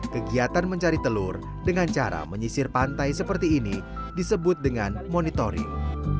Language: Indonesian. kegiatan mencari telur dengan cara menyisir pantai seperti ini disebut dengan monitoring